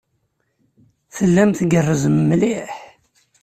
Tellam tgerrzem mliḥ.